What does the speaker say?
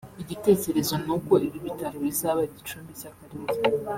igitekerezo n’uko ibi bitaro bizaba igicumbi cy’akarere